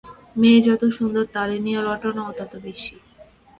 মেয়ে যত সুন্দর তারে নিয়া রটনাও তত বেশি।